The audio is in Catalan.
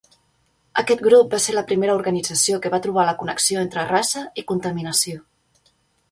Aquest grup va ser la primera organització que va trobar la connexió entre raça i contaminació.